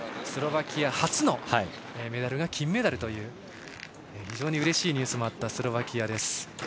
スロバキア初の優勝がメダルが金メダルという非常にうれしいニュースもあったスロバキアです。